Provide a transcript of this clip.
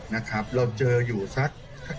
เราเจออยู่สัก